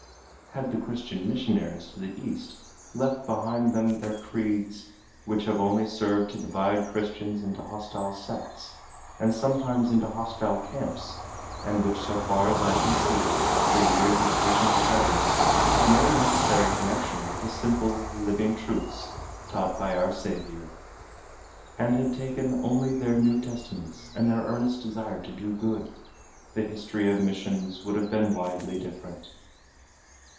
Had the Christian missionaries to the East left behind them their creeds, which have only served to divide Christians into hostile sects and sometimes into hostile camps, and which so far as I can see, after years of patient study, have no necessary connection with the simple, living truths taught by our Saviour, and had taken only their New Testaments and their earnest desire to do good, the history of missions would have been widely different.